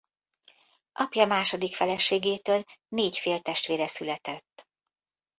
Apja második feleségétől négy féltestvére született.